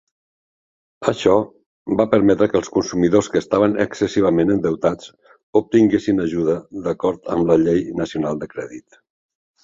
Això va permetre que els consumidors que estaven excessivament endeutats obtinguessin ajuda d'acord amb la Llei nacional de crèdit.